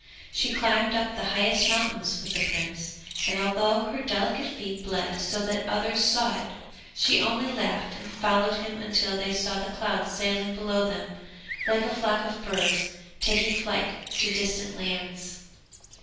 She climbed up the highest mountains with the prince, and although her delicate feet bled so that others saw it, she only laughed and followed him until they saw the clouds sailing below them like a flock of birds, taking flight to distant lands.